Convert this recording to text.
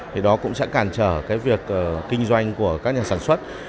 thì đó cũng sẽ cản trở cái việc kinh doanh của các nhà sản xuất